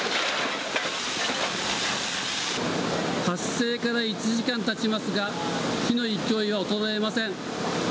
発生から１時間経ちますが火の勢いは衰えません。